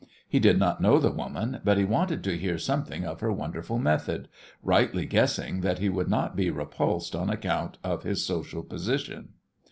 He did not know the woman, but he wanted to hear something of her wonderful method, rightly guessing that he would not be repulsed on account of his social position.